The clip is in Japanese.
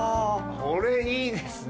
これいいですね。